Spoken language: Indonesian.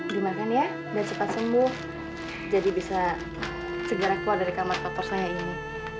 dimakan ya dan cepat sembuh jadi bisa segera keluar dari kamar kotor saya ini